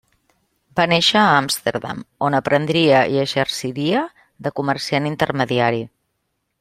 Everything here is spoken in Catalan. Va néixer a Amsterdam on aprendria i exerciria de comerciant intermediari.